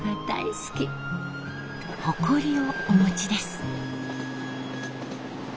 誇りをお持ちです。